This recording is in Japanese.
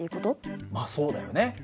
まあそうだよね。